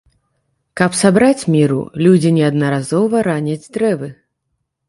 Каб сабраць міру людзі неаднаразова раняць дрэвы.